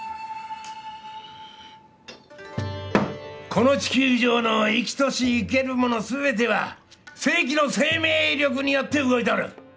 この地球上の生きとし生けるもの全ては聖気の生命力によって動いとる。